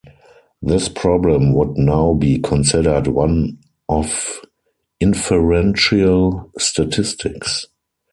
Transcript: This problem would now be considered one of inferential statistics.